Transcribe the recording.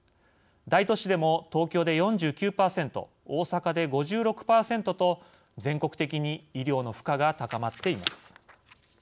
大都市でも東京で４９％、大阪で５６％と全国的に医療の負荷が高まっています。